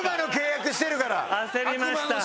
焦りました。